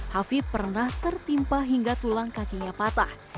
hafid pernah tertimpa hingga tulang kakinya patah